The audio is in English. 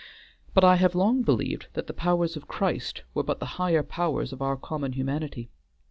But I have long believed that the powers of Christ were but the higher powers of our common humanity.